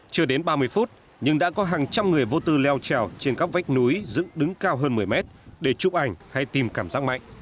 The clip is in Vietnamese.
chưa đến ba mươi phút nhưng đã có hàng trăm người vô tư leo trèo trên các vách núi dựng đứng cao hơn một mươi mét để chụp ảnh hay tìm cảm giác mạnh